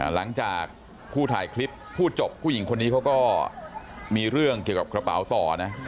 หลังจากผู้ถ่ายคลิปผู้จบผู้หญิงคนนี้เขาก็มีเรื่องเกี่ยวกับกระเป๋าต่อนะ